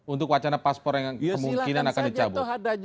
untuk wacana paspor yang kemungkinan akan dicabut